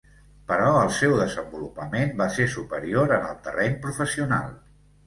Però el seu desenvolupament va ser superior en el terreny professional.